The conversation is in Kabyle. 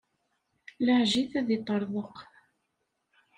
Laɛej it, ad iṭṭerḍeq.